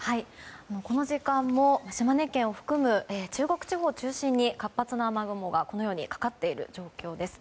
この時間も島根県を含む中国地方を中心にこのように活発な雨雲がかかっている状況です。